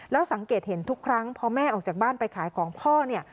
แล้วสังเกตเห็นทุกครั้งพอแม่ออกจากบ้านไปขายของพ่อเนี่ย